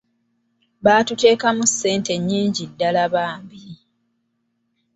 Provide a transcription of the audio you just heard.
Baatuteekamu ssente nnyingi ddala bambi.